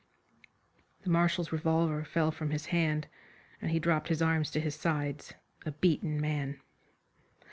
The Marshal's revolver fell from his hand, and he dropped his arms to his sides, a beaten man.